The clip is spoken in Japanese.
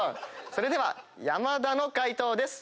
それでは山田の解答です。